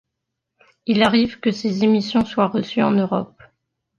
Il arrive que ses émissions soient reçues en Europe.